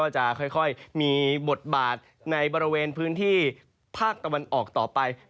จะค่อยมีบทบาทในบริเวณพื้นที่ภาคตะวันออกต่อไป